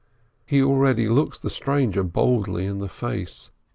He already looks the stranger boldly in the face.